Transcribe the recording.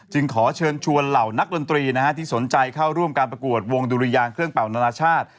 ขอเชิญชวนเหล่านักดนตรีนะฮะที่สนใจเข้าร่วมการประกวดวงดุริยางเครื่องเป่านานาชาติ